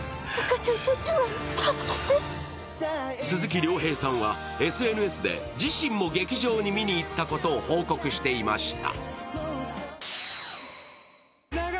鈴木亮平さんはＳＮＳで自身も劇場へ見に行ったことを報告していました。